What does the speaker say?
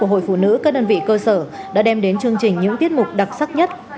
hội phụ nữ các đơn vị cơ sở đã đem đến chương trình những tiết mục đặc sắc nhất